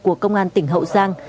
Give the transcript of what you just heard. của công an tỉnh hậu giang